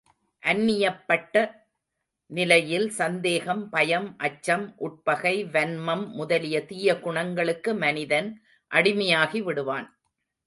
அந்நியப்பட்ட நிலையில் சந்தேகம், பயம், அச்சம், உட்பகை, வன்மம் முதலிய தீய குணங்களுக்கு மனிதன் அடிமையாகி விடுவான்.